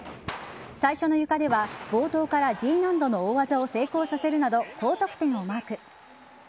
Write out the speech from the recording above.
最初のゆかでは冒頭からＧ難度の大技を成功させるなど、高得点をマーク。